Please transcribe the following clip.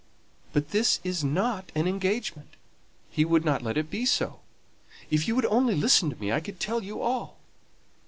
"But this is not an engagement; he would not let it be so; if you would only listen to me, I could tell you all.